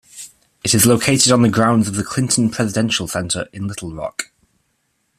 It is located on the grounds of the Clinton Presidential Center in Little Rock.